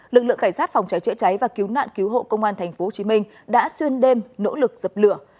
lực lượng cảnh sát phòng cháy chữa cháy và cứu nạn cứu hộ công an tp hcm đã xuyên đêm nỗ lực dập lửa